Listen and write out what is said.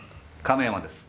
亀山です。